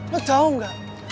lo tau gak